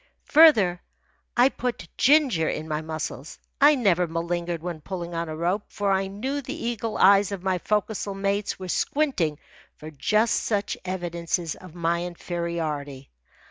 Further, I put ginger in my muscles. I never malingered when pulling on a rope, for I knew the eagle eyes of my forecastle mates were squinting for just such evidences of my inferiority.